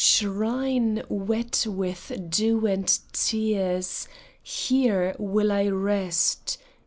Shrine wet with dew and tears Here will I rest.